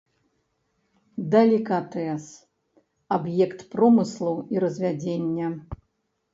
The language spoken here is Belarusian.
Далікатэс, аб'ект промыслу і развядзення.